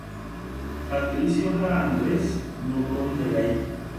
Patricio ha Andrés noponderái